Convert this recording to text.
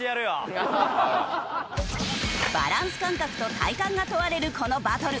バランス感覚と体幹が問われるこのバトル。